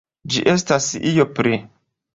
Ĝi estas io pli.